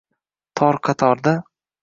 Tor kataqda